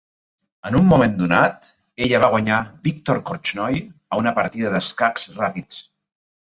En un moment donat, ella va guanyar Viktor Korchnoi a una partida d'escacs ràpids.